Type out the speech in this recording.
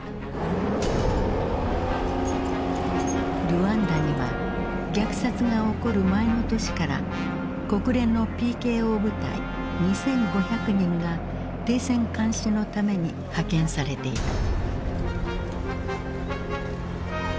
ルワンダには虐殺が起こる前の年から国連のＰＫＯ部隊２，５００人が停戦監視のために派遣されていた。